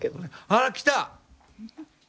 あら来た！